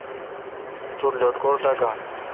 تو ٹھ لٹکور ٹاکان۔